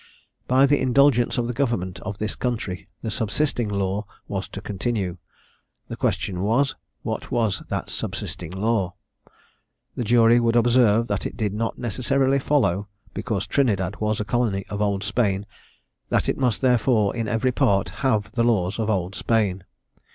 By the indulgence of the government of this country, the subsisting law was to continue; the question was, What was that subsisting law? The jury would observe, that it did not necessarily follow, because Trinidad was a colony of Old Spain, that it must therefore, in every part, have the laws of Old Spain.